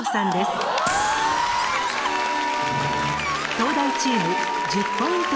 東大チーム１０ポイント